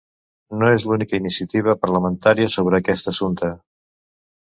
No és l’única iniciativa parlamentària sobre aquest assumpte.